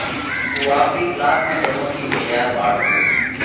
اُو آپرِي ڪلاس ۾ ٻڌون ٿِي هوشِيار ٻاۯ هتو۔